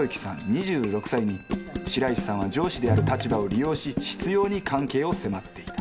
２６歳に白石さんは上司である立場を利用し執ように関係を迫っていた。